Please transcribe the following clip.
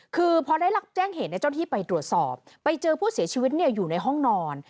คือพอได้รับแจ้งเหตุเจ้าหน้าที่ไปตรวจสอบไปเจอผู้เสียชีวิตอยู่ในห้องนอน